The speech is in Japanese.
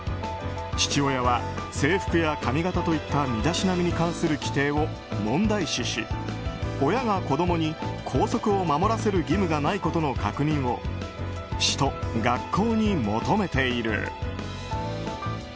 父親は、制服や髪形といった身だしなみに関する規定を問題視し親が子供に校則を守らせる義務がないことの確認を市と学校に求めている。